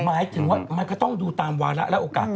หมายถึงว่ามันก็ต้องดูตามวาระและโอกาส